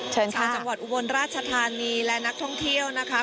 เชิญค่ะจังหวัดอุบลราชธานีและนักท่องเที่ยวนะคะ